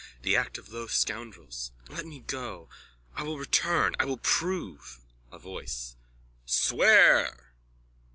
The act of low scoundrels. Let me go. I will return. I will prove... A VOICE: Swear!